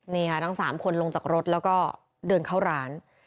นี่ค่ะทั้ง๓คนลงจากรถแล้วก็เดินเข้าร้าน